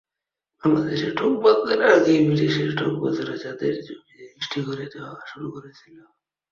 বাংলাদেশের ঠকবাজদের আগেই বিদেশের ঠকবাজেরা চাঁদের জমি রেজিস্ট্রি করে দেওয়া শুরু করেছিল।